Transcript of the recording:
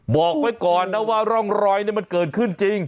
บอกไว้ก่อนนะว่าร่องรอยนี่มันเกิดขึ้นจริง